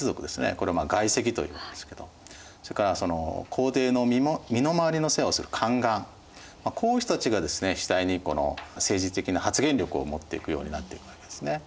これを外戚というんですけどそれから皇帝の身の回りの世話をする宦官こういう人たちがですね次第にこの政治的な発言力を持っていくようになっていくわけですね。